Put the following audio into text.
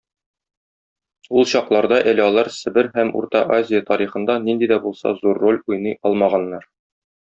Ул чакларда әле алар Себер һәм Үзәк Азия тарихында нинди дә булса зур роль уйный алмаганнар.